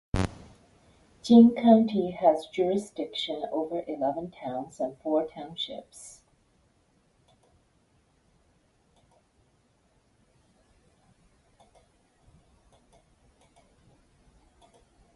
Jing County has jurisdiction over eleven towns and four townships.